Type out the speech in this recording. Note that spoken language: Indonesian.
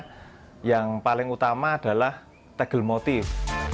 nah yang paling utama adalah tegel motif